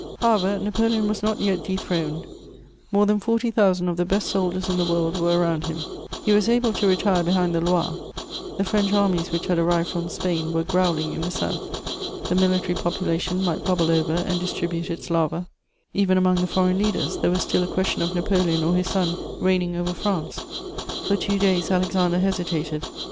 * However, Napoleon was not yet dethroned; more than forty thousand of the best soldiers in the world were around him; he was able to retire behind the Loire; the French armies which had arrived from Spain were growling in the South; the military population might bubble over and distribute its lava; even among the foreign leaders, there was still a question of Napoleon or his son reigning over France: for two days, Alexander hesitated.